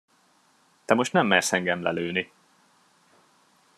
Te most nem mersz engem lelőni!